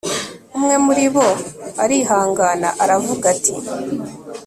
umwe muribo arihangana aravuga ati